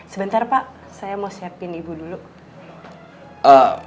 sebentar pak saya mau siapin ibu dulu